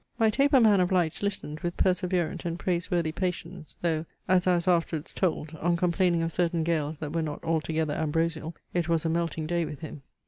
My taper man of lights listened with perseverant and praiseworthy patience, though, as I was afterwards told, on complaining of certain gales that were not altogether ambrosial, it was a melting day with him.